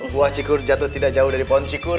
buah cikur jatuh tidak jauh dari pohon cikur